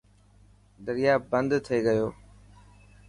دريا بند ٿي گيو.